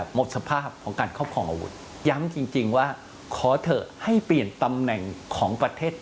หมดสภาพของการเข้าพลองอาวุธย้ำจริงว่าขอเธอให้เปลี่ยนตำแหน่ง